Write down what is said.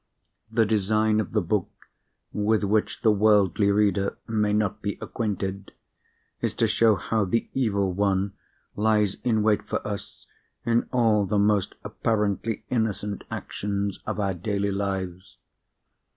The design of the book—with which the worldly reader may not be acquainted—is to show how the Evil One lies in wait for us in all the most apparently innocent actions of our daily lives.